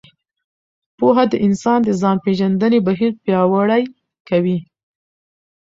پوهه د انسان د ځان پېژندنې بهیر پیاوړی کوي.